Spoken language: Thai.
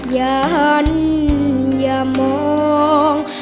อย่าหันอย่ามอง